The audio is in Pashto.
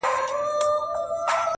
او وژاړمه”